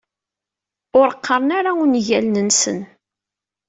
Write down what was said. Ur qqaren ara ungalen-nsen.